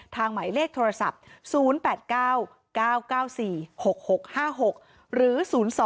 ทางหมายเลขโทรศัพท์๐๘๙๙๙๔๖๖๕๖หรือ๐๒๐๓๖๖๙๘๘